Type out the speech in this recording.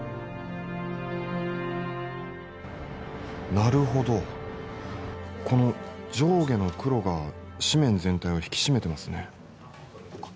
なるほどこの上下の黒が紙面全体を引き締めてますねあっ